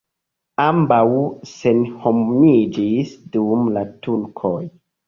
Ambaŭ senhomiĝis dum la turkoj.